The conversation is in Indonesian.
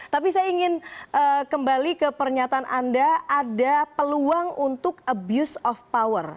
tapi saya ingin kembali ke pernyataan anda ada peluang untuk abuse of power